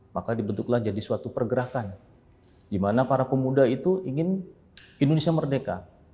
maka dibentuklah jadi suatu pergerakan di mana para pemuda itu ingin indonesia merdeka